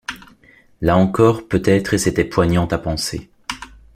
Là encore peut-être, et c’était poignant à penser.